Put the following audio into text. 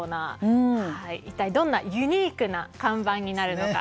一体どんなユニークな看板になるのか